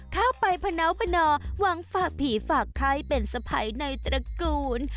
เข้าไปพนาวพนอหวังฝากผีฝากไข้เป็นสะพ้ายในตระกูล